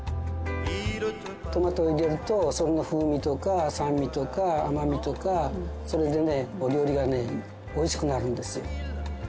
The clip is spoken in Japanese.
トマトを入れるとその風味とか酸味とか甘みとかそれでねお料理がねおいしくなるんですよ。